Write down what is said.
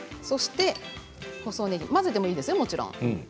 細ねぎ混ぜてもいいですよ、もちろん。